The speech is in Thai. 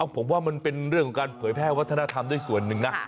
ผมว่ามันเป็นเรื่องของการเผยแพร่วัฒนธรรมด้วยส่วนหนึ่งนะ